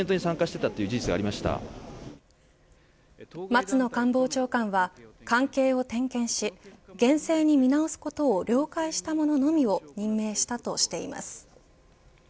松野官房長官は関係を点検し厳正に見直すことを了解した者のみを任命したとしています。